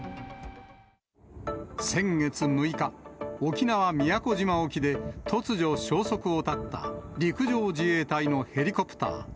先月６日、沖縄・宮古島沖で突如消息を絶った陸上自衛隊のヘリコプター。